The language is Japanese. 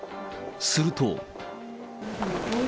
すると。